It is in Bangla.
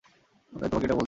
তাই তোমাকে এটা বলছি।